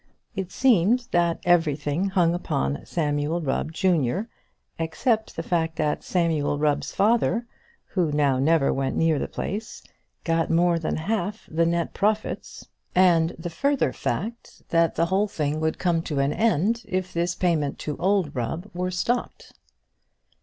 It seemed that everything hung upon Samuel Rubb, junior, except the fact that Samuel Rubb's father, who now never went near the place, got more than half the net profits; and the further fact, that the whole thing would come to an end if this payment to old Rubb were stopped.